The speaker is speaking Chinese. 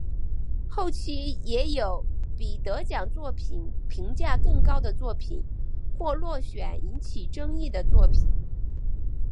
后期也有比得奖作品评价更高的作品或落选引起争议的作品。